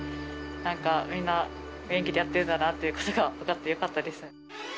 なんか、みんな元気でやってるんだなってことが分かってよかったです。